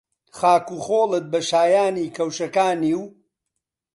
خاک و خۆڵت بە شایانی کەوشەکانی و